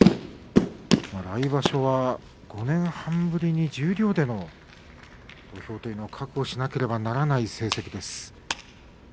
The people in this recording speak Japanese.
来場所は５年半ぶりの十両での土俵ということを覚悟しなければならない成績です。